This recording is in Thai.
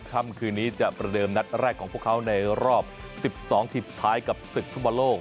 ค่ำคืนนี้จะประเดิมนัดแรกของพวกเขาในรอบ๑๒ทีมสุดท้ายกับศึกฟุตบอลโลก